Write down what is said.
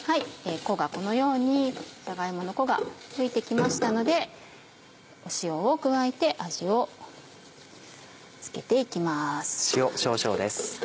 このようにじゃが芋の粉が吹いて来ましたので塩を加えて味を付けて行きます。